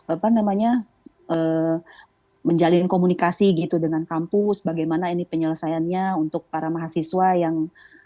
apa namanya menjalin komunikasi gitu dengan kampus bagaimana ini penyelesaiannya untuk para mahasiswa yang